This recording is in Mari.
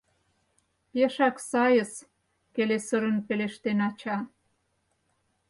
— Пешак сайыс, — келесырын пелештен ача.